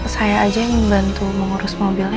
saya aja yang membantu mengurus mobilnya